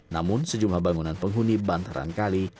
namun sejumlah bangunan penghuni bantaran kali